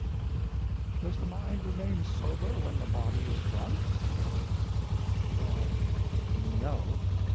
O.M. Does the mind remain sober with the body is drunk? Y.M. Well—no.